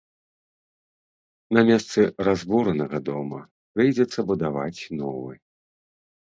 На месцы разбуранага дома прыйдзецца будаваць новы.